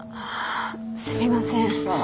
あっすみません。